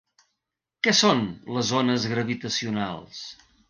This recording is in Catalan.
Què són les ones gravitacionals?